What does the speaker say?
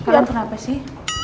kalian kenapa sih